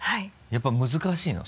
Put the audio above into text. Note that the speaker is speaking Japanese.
やっぱ難しいの？